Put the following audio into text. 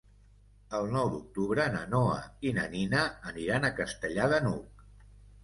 El nou d'octubre na Noa i na Nina aniran a Castellar de n'Hug.